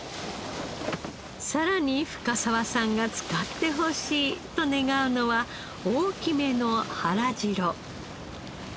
さらに深澤さんが使ってほしいと願うのは大きめのはらじろ。